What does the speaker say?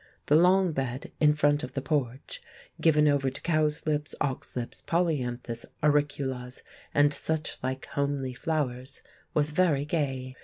The long bed in front of the porch, given over to cowslips, oxlips, polyanthus, auriculas, and suchlike homely flowers, was very gay.